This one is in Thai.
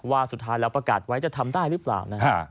ว่าสุดท้ายแล้วประกาศไว้จะทำได้หรือเปล่านะฮะ